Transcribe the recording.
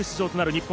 日本！